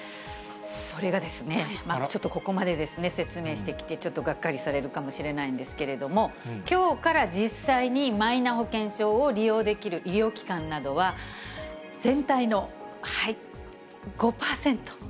それがですね、ちょっとここまでですね、説明してきて、ちょっとがっかりされるかもしれないんですけれども、きょうから実際にマイナ保険証を利用できる医療機関などは、全体の５％。